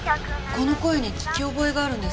この声に聞き覚えがあるんです。